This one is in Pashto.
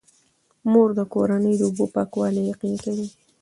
مور د کورنۍ د اوبو پاکوالی یقیني کوي.